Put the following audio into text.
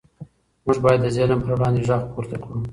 موږ باید د ظلم پر وړاندې غږ پورته کړو.